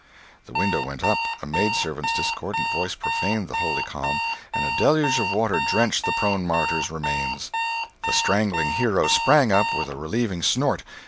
The window went up, a maid servant's discordant voice profaned the holy calm, and a deluge of water drenched the prone martyr's remains! The strangling hero sprang up with a relieving snort.